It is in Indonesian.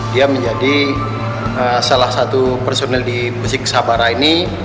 dia menjadi salah satu personel di budiq sabara ini